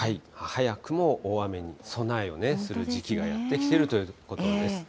早くも大雨に備えをする時期がやって来ているということです。